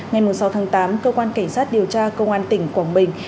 ngày sáu tháng tám cơ quan cảnh sát điều tra công an tỉnh quảng bình